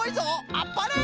あっぱれ！